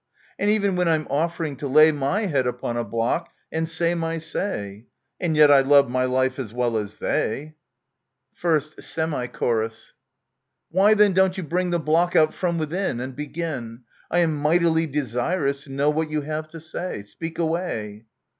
And even when I'm offering to lay My head upon a block and say my say ! And yet I love my life as well as they ! ist Semi Chorus. Why, then, don't you bring the block out from within, And begin ? I am mightily desirous to know what you have to say ! Speak away